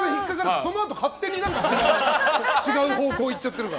そのあと勝手に違う方向に行ってるから。